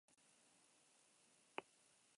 Kritiken aipamenak orrialde ugari beteko zizkigun.